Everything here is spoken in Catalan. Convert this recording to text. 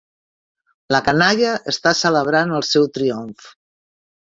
La canalla està celebrant el seu triomf.